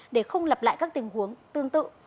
để không lặp lại các tình huống tương tự